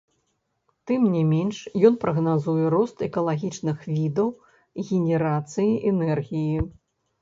Тым не менш ён прагназуе рост экалагічных відаў генерацыі энергіі.